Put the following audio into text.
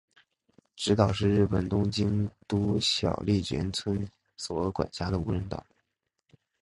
侄岛是日本东京都小笠原村所管辖的无人岛。